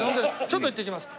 ちょっと行ってきます。